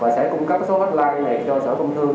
và sẽ cung cấp cái số hotline này cho sở công thương